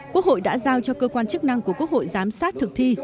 quốc hội đã giao cho cơ quan chức năng của quốc hội giám sát thực thi